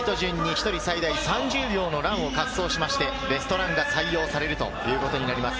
ヒート順に１人最大３０秒のランを滑走しまして、ベストランが採用されるということになります。